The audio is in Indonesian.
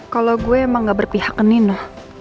kalau gue emang gak berpihak ke nina